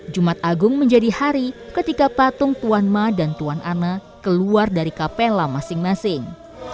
jumat agung menjadi hari ketika patung tuan ma dan tuan ana keluar dari kapela masing masing